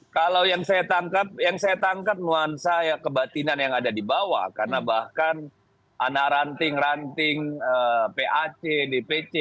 kalau yang saya tangkap yang saya tangkap nuansa kebatinan yang ada di bawah karena bahkan anak ranting ranting pac dpc